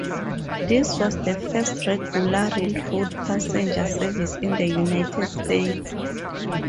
This was the first regular railroad passenger service in the United States.